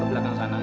ke belakang sana